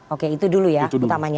oke itu dulu ya utamanya